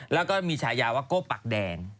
แล้วก็มีฉายาว่าโก้ปากแดง